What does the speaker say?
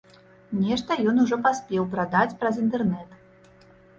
Нешта ён ужо паспеў прадаць праз інтэрнет.